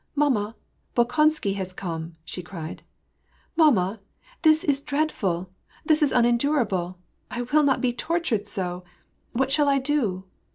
" Mamma, Bolkonsky has come," she cried. " Mamma ! this is dreadful ! this is unendurable ! I will not be tortured so ! What shall I do